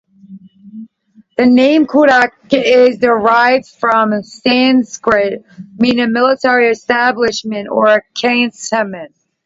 The name "Cuttack" is derived from Sanskrit meaning military establishment or a cantonment.